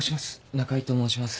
仲依と申します。